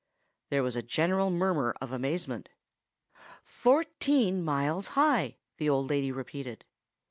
There was a general murmur of amazement. "Fourteen miles high!" the old lady repeated.